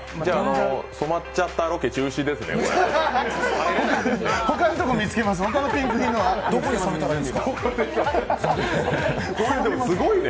染まっちゃったロケ中止ですね。